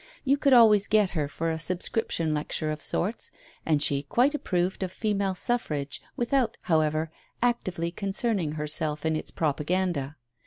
You could always get her for ' a subscription lecture of sorts, and she quite approved of Female Suffrage, without, however, actively concerning herself in its propaganda.